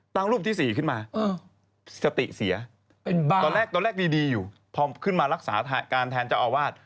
รูปที่๔ขึ้นมาสติเสียตอนแรกดีอยู่พอขึ้นมารักษาการแทนเจ้าอาวาส